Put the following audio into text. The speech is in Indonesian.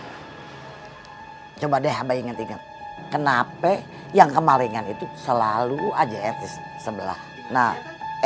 hai coba deh haba inget inget kenapa yang kemalingan itu selalu aja etis sebelah nah